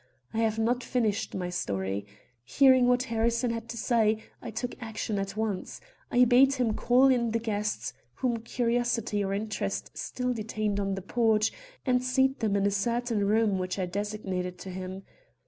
"I have not finished my story. Hearing what Harrison had to say, I took action at once. I bade him call in the guests, whom curiosity or interest still detained on the porch, and seat them in a certain room which I designated to him.